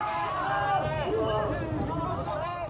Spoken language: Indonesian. tidak tidak tidak